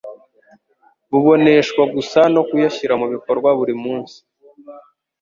buboneshwa gusa no kuyashyira mu bikorwa buri munsi.